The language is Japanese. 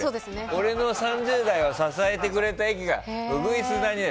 俺の３０代を支えてくれた駅が鶯谷。